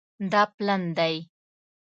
دا پلن دی